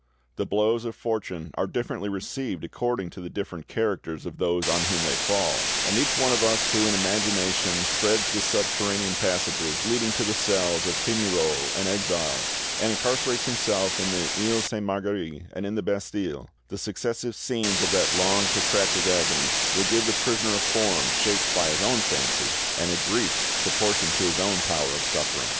The blows of fortune are differently received according to the different characters of those on whom they fall; and each one of us who in imagination threads the subterranean passages leading to the cells of Pignerol and Exilles, and incarcerates himself in the Iles Sainte Marguerite and in the Bastille, the successive scenes of that long protracted agony will give the prisoner a form shaped by his own fancy and a grief proportioned to his own power of suffering.